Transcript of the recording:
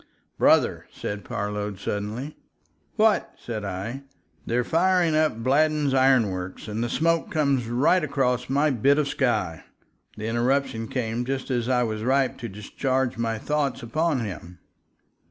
"Brother!" said Parload, suddenly. "What?" said I. "They're firing up at Bladden's iron works, and the smoke comes right across my bit of sky." The interruption came just as I was ripe to discharge my thoughts upon him.